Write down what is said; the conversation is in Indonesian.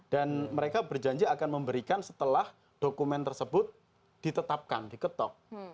dan mereka berjanji akan memberikan setelah dokumen tersebut ditetapkan diketok